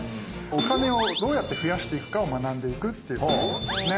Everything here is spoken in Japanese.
お金をどうやって増やしていくかを学んでいくっていうことですね。